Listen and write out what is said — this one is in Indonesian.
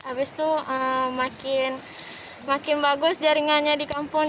habis itu makin bagus jaringannya di kampung